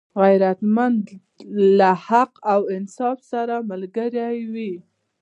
غیرتمند له حق او انصاف سره ملګری وي